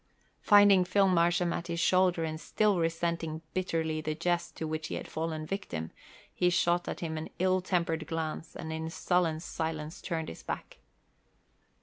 Finding Phil Marsham at his shoulder and still resenting bitterly the jest to which he had fallen victim, he shot at him an ill tempered glance and in sullen silence turned his back.